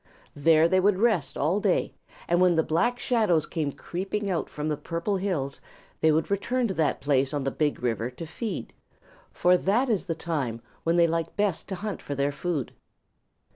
There they would rest all day, and when the Black Shadows came creeping out from the Purple Hills, they would return to that place on the Big River to feed, for that is the time when they like best to hunt for their food.